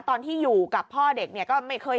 ตอนที่อยู่กับพ่อเด็กเนี่ยก็ไม่เคย